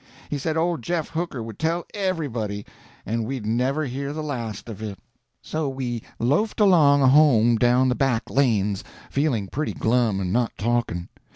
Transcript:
He said old Jeff Hooker would tell everybody, and we'd never hear the last of it. So we loafed along home down the back lanes, feeling pretty glum and not talking.